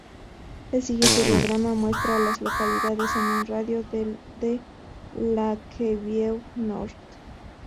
El siguiente diagrama muestra a las localidades en un radio de de Lakeview North.